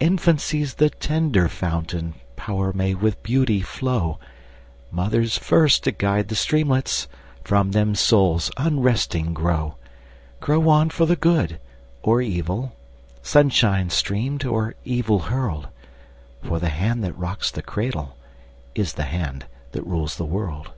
Infancy's the tender fountain, Power may with beauty flow, Mother's first to guide the streamlets, From them souls unresting grow Grow on for the good or evil, Sunshine streamed or evil hurled; For the hand that rocks the cradle Is the hand that rules the world.